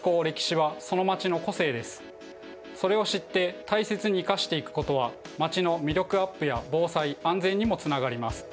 そのそれを知って大切に生かしていくことは街の魅力アップや防災・安全にもつながります。